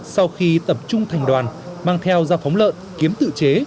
sau khi tập trung thành đoàn mang theo dao phóng lợn kiếm tự chế